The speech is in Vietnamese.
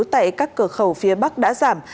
tại các cửa khẩu phía bắc đã giảm